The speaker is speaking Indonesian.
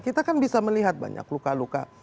kita kan bisa melihat banyak luka luka